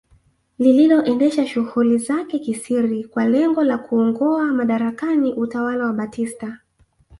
Lililoendesha shughuli zake kisiri kwa lengo la kuungoa madarakani utawala wa Batista